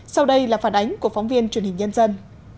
sau đây là phản ánh của phóng viên truyền hình nhân dân